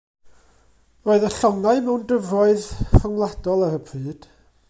Roedd y llongau mewn dyfroedd rhyngwladol ar y pryd.